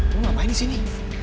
lu ngapain disini